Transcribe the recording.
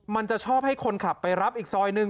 มันจะชอบให้คนขับไปรับอีกซอยหนึ่ง